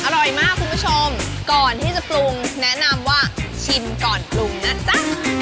อร่อยมากคุณผู้ชมก่อนที่จะปรุงแนะนำว่าชิมก่อนปรุงนะจ๊ะ